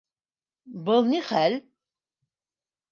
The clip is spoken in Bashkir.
Был ни хәл?!